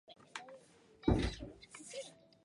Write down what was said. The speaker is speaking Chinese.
丘陵老鹳草为牻牛儿苗科老鹳草属的植物。